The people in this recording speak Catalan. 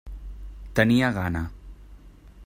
Tenia gana.